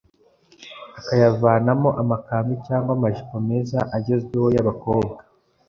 akayavanamo amakanzu cyangwa amajipo meza agezweho y'abakobwa